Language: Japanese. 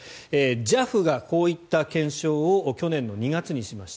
ＪＡＦがこういった検証を去年２月にしました。